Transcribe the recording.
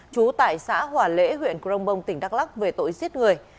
chú tại xã hỏa lễ huyện crong bông tỉnh đắk lắc về tội giết người